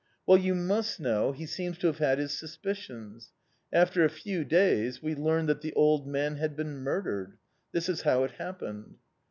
"Well, you must know, he seems to have had his suspicions. After a few days, we learned that the old man had been murdered. This is how it happened."...